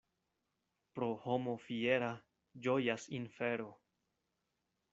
Pro homo fiera ĝojas infero.